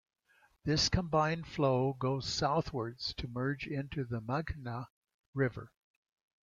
This combined flow goes southwards to merge into the Meghna River.